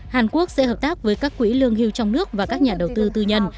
hàn quốc sẽ hợp tác với các quỹ lương hưu trong nước và các nhà đầu tư tư nhân